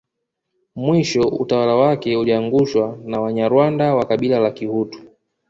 Mwisho utawala wake uliangushwa na Wanyarwanda wa Kabila la Kihutu